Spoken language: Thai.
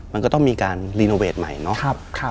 มันก็ต้องมีการรีโนเวทใหม่เนาะ